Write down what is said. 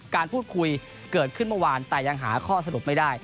การพูดคุยเกิดขึ้นเมื่อวานแต่ยังหาข้อสรุปไม่ได้